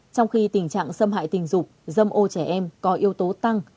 trong khi tình trạng xâm hại tình dục dâm ô trẻ em có yếu tố tăng